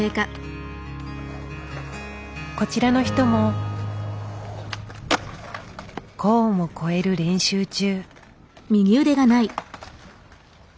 こちらの人もコーンを越える練習中。